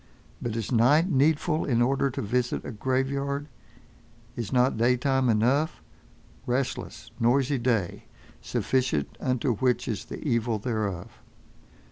But is night needful in order to visit a graveyard? Is not daytime enough—restless, noisy day, sufficient unto which is the evil thereof?